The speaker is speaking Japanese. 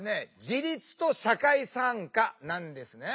自立と社会参加なんですね。